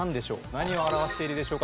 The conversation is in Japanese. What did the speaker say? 何を表しているでしょうか？